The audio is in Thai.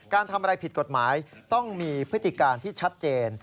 การทำอะไรผิดกฎหมายต้องมีพฤติการที่ชัดเจน